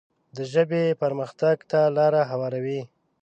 د ژبې پرمختګ ته لاره هواروي.